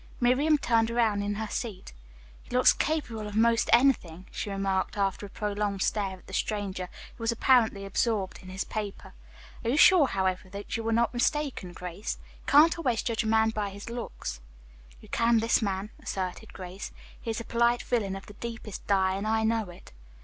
Miriam turned around in her seat. "He looks capable of most anything," she remarked after a prolonged stare at the stranger, who was apparently absorbed in his paper. "Are you sure, however, that you were not mistaken, Grace? You can't always judge a man by his looks." "You can this man," asserted Grace. "He is a polite villain of the deepest dye, and I know it."